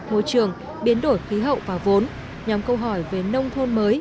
môi trường biến đổi khí hậu và vốn nhóm câu hỏi về nông thôn mới